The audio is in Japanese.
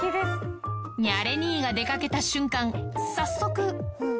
ニャレ兄が出かけた瞬間、早速。